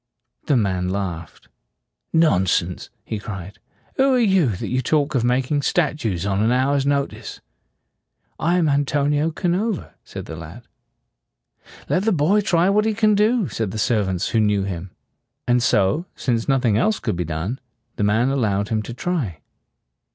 The man laughed. "Non sense!" he cried. "Who are you, that you talk of making statues on an hour's notice?" "I am Antonio Canova," said the lad. "Let the boy try what he can do," said the servants, who knew him. And so, since nothing else could be done, the man allowed him to try.